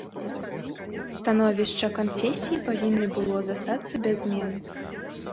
Становішча канфесій павінны было застацца без змен.